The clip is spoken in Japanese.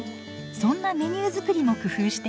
そんなメニュー作りも工夫しています。